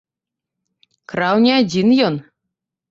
Краў не адзін ён.